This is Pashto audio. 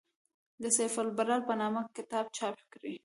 د «سیف الابرار» په نامه کتاب چاپ کړ.